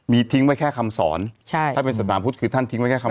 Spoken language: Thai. มีทิ้งไว้แค่คำสอนใช่ถ้าเป็นสถานพุทธคือท่านทิ้งไว้แค่คำ